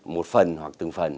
một phần hoặc từng phần